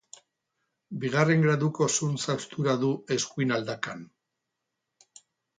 Bigarren graduko zuntz haustura du eskuin aldakan.